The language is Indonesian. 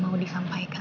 temuin ya papa